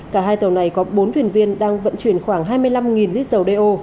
cả hai tàu này có bốn thuyền viên đang vận chuyển khoảng hai mươi năm lít dầu đeo